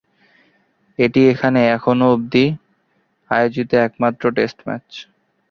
এটি এখানে এখনো অব্দি আয়োজিত একমাত্র টেস্ট ম্যাচ।